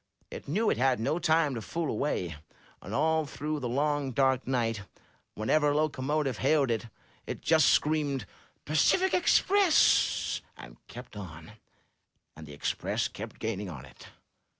It knew it had no time to fool away, and all through the long, dark night, whenever a locomotive hailed it, it just screamed, Tacific Express!* and kept on. And the Express kept gaining on it.